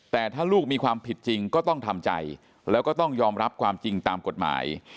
แต่ถ้าลูกมีความผิดจริงก็ต้องทำใจแล้วก็ต้องยอมรับความจริงตามกฎหมาย